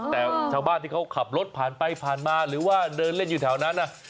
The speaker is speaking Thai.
แต่ชาวบ้านที่เขาขับรถผ่านไปผ่านมาหรือว่าเดินเล่นอยู่แถวนั้น